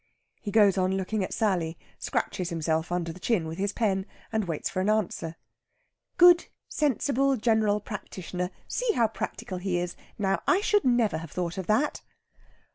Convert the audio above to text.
He goes on looking at Sally, scratches himself under the chin with his pen, and waits for an answer. "Good, sensible, general practitioner! See how practical he is! Now, I should never have thought of that!"